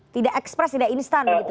tidak ekspres tidak instan begitu